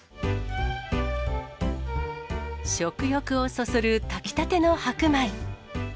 食欲をそそる炊きたての白米。